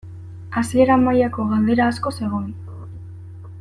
Hasiera mailako galdera asko zegoen.